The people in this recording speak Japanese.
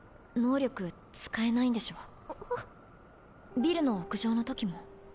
ビルの屋上の時も？